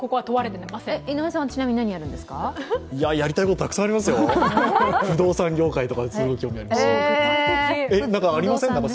いや、やりたことたくさんありますよ、不動産業界とかすごく興味ありますし。